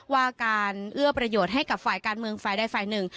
ว่าการเอื้อประโยชน์ให้กับฝ่ายการเมืองฝ่ายใดฝ่ายหนึ่ง